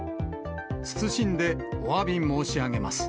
謹んでおわび申し上げます。